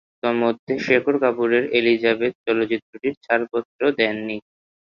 তন্মধ্যে শেখর কাপুরের এলিজাবেথ চলচ্চিত্রটির ছাড়পত্র দেননি।